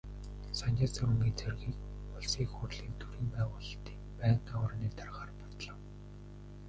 Санжаасүрэнгийн Зоригийг Улсын Их Хурлын төрийн байгуулалтын байнгын хорооны даргаар батлав.